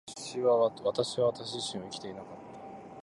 私は私自身を生きていなかった。